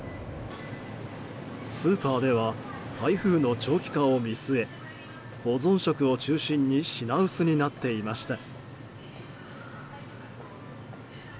スーパーでは台風の長期化を見据え保存食を中心に品薄になっていました。